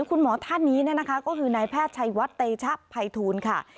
คุณหมอท่านนี้นะคะก็คือนายแพทย์ชัยวัดเตชะภัยทูลค่ะ